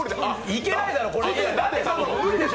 いけないだろ。